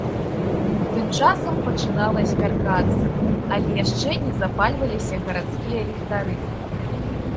Тым часам пачынала змяркацца, але яшчэ не запальваліся гарадскія ліхтары.